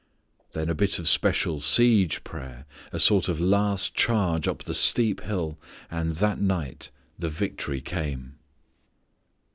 Then a bit of special siege prayer, a sort of last charge up the steep hill, and that night the victory came.